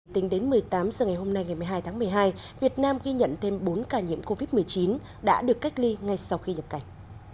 tính đến một mươi tám h ngày hôm nay ngày một mươi hai tháng một mươi hai việt nam ghi nhận thêm bốn ca nhiễm covid một mươi chín đã được cách ly ngay sau khi nhập cảnh